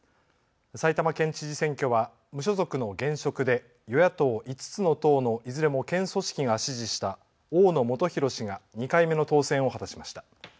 埼玉県知事選挙は、無所属の現職で与野党５つの党のいずれも県組織が支持した、大野元裕氏が２回目の当選を果たしました。